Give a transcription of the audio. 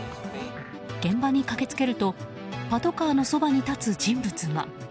現場に駆けつけるとパトカーのそばに立つ人物が。